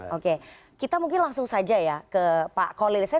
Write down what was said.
oke kita mungkin langsung saja ya ke pak kolir